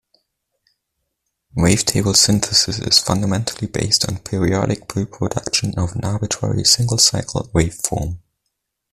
Wavetable synthesis is fundamentally based on periodic reproduction of an arbitrary, single-cycle waveform.